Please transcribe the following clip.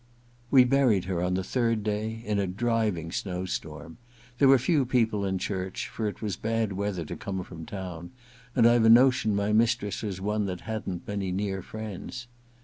... We buried her on the third day, in a driving snow storm. There were few people in the church, for it was bad weather to come from town, and I've a notion my mistress was one that hadn't many near friends.